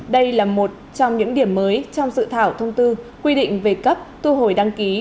đây là một trong những điểm mới trong dự thảo thông tư quy định về cấp thu hồi đăng ký